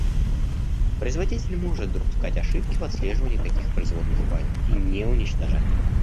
Производитель может допускать ошибки в отслеживании таких производных файлов и не уничтожать их